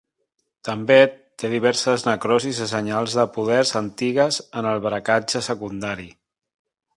També té diverses necrosis i senyals de podes antigues en el brancatge secundari.